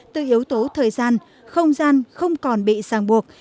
từ yếu tố thời gian không gian không còn bị ràng buộc